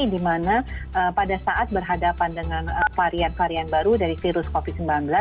di mana pada saat berhadapan dengan varian varian baru dari virus covid sembilan belas